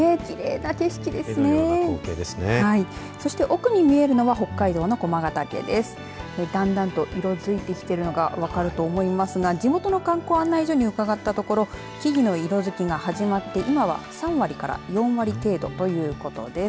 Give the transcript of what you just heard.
だんだんと色づいてきているのが分かると思いますが、地元の観光案内所に伺ったところ木々の色づきが始まって今は３割から４割程度ということです。